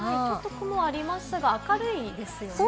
雲はありますが明るいですね。